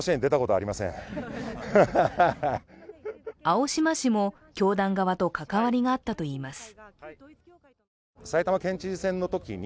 青島氏も教団側と関わりがあったといいます。